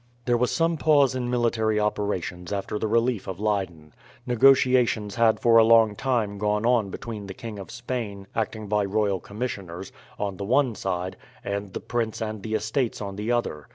There was some pause in military operations after the relief of Leyden. Negotiations had for a long time gone on between the King of Spain, acting by Royal Commissioners, on the one side, and the prince and the Estates on the other.